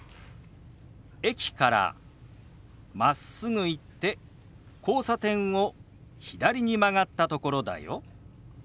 「駅からまっすぐ行って交差点を左に曲がったところだよ」。